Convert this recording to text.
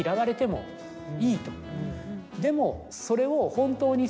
でもそれを。